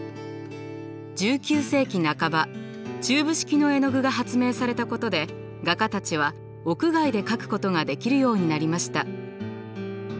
１９世紀半ばチューブ式の絵の具が発明されたことで画家たちは屋外で描くことができるようになりました。